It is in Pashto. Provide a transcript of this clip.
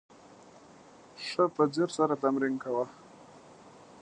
ښه په ځیر سره تمرین کوه !